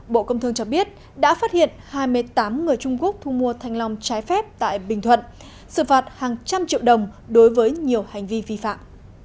bộ công thương cho biết đã phát hiện hai mươi tám người trung quốc thu mua thanh long trái phép tại bình thuận xử phạt hàng trăm triệu đồng đối với nhiều hành vi vi phạm